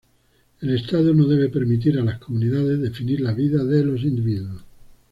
El Estado no debe permitir a las comunidades definir las vidas de los individuos.